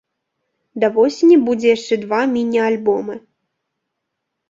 Да восені будзе яшчэ два міні-альбомы.